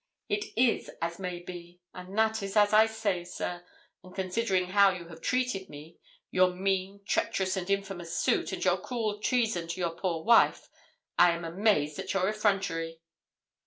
'It is as it may be, and that is as I say, sir; and considering how you have treated me your mean, treacherous, and infamous suit, and your cruel treason to your poor wife, I am amazed at your effrontery.'